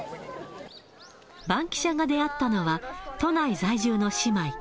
バンキシャが出会ったのは、都内在住の姉妹。